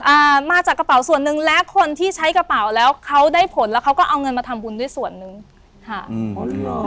อ่ามาจากกระเป๋าส่วนหนึ่งและคนที่ใช้กระเป๋าแล้วเขาได้ผลแล้วเขาก็เอาเงินมาทำบุญด้วยส่วนหนึ่งค่ะอืมอ๋อเหรอ